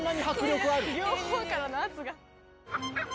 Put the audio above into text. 両方からの圧が。